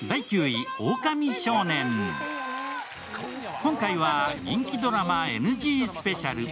今回は人気ドラマＮＧスペシャル。